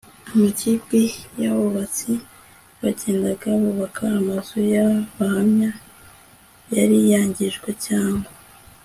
amakipi y abubatsi bagendaga bubaka amazu y Abahamya yari yangijwe cyangwa